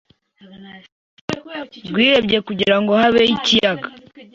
rwihebye kugirango habeho ikiyaga